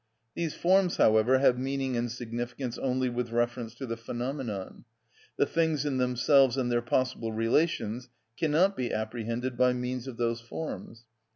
These forms, however, have meaning and significance only with reference to the phenomenon; the things in themselves and their possible relations cannot be apprehended by means of those forms.